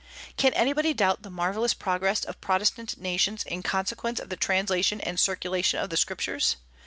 Can anybody doubt the marvellous progress of Protestant nations in consequence of the translation and circulation of the Scriptures?